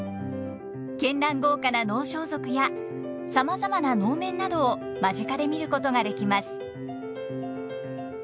絢爛豪華な能装束やさまざまな能面などを間近で見ることができます。